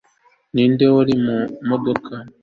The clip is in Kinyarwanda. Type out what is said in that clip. Ninde wari mu modoka